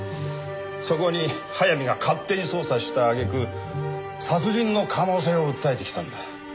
そこに早見が勝手に捜査した揚げ句殺人の可能性を訴えてきたんだ。